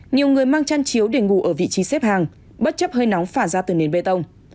nhiều người mang chăn chiếu để ngủ ở vị trí xếp hàng bất chấp hơi nóng phả ra từ nền bê tông